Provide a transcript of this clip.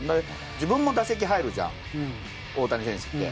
自分も打席入るじゃん、大谷選手って。